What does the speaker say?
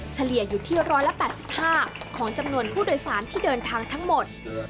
เฉลี่ยอยู่ที่๑๘๕ของจำนวนผู้โดยสารที่เดินทางทั้งหมด